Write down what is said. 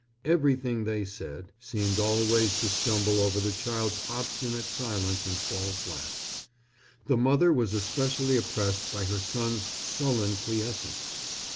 Everything they said seemed always to stumble over the child's obstinate silence and fall flat. The mother was especially oppressed by her son's sullen quiescence.